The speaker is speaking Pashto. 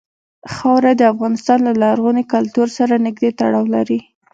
خاوره د افغانستان له لرغوني کلتور سره نږدې تړاو لري.